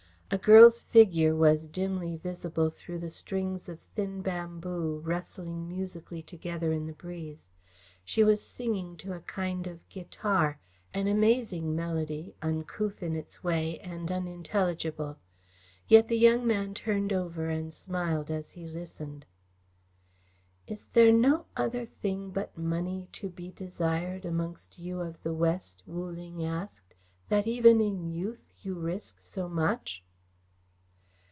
A girl's figure was dimly visible through the strings of thin bamboo, rustling musically together in the breeze. She was singing to a kind of guitar, an amazing melody, uncouth in its way, and unintelligible. Yet the young man turned over and smiled as he listened. "Is there no other thing but money to be desired amongst you of the West," Wu Ling asked, "that even in youth you risk so much?"